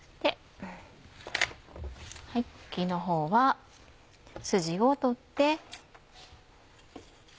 茎のほうはスジを取って。